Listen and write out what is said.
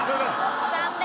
残念。